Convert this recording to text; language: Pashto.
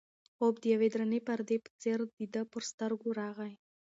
خوب د یوې درنې پردې په څېر د ده پر سترګو راغی.